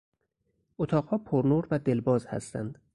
اتاقها پر نور و دلباز هستند.